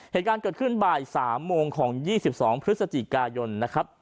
เหตุการณ์เกิดขึ้นบ่าย๓โมงของ๒๒พฤศจิกายนนะครับ